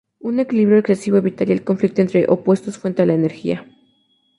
Un equilibrio excesivo evitaría el conflicto entre opuestos, fuente de la energía.